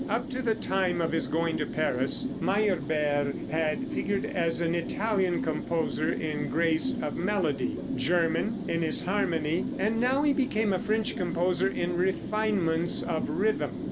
Up to the time of his going to Paris, Meyerbeer had figured as an Italian composer in grace of melody, German in his harmony, and now he became a French composer in refinements of rhythm.